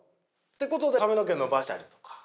ってことで髪の毛伸ばしたりだとか。